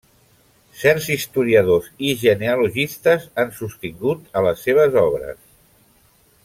Certs historiadors i genealogistes han sostingut a les seves obres.